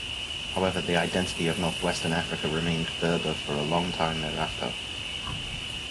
However, the identity of northwestern Africa remained Berber for a long time thereafter.